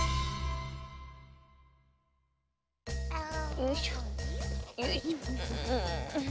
よいしょよいしょんん。